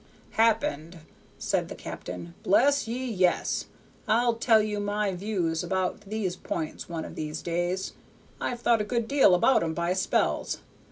"Happened!" said the captain. "Bless ye, yes! I'll tell you my views about these p'ints one o' those days. I've thought a good deal about 'em by spells.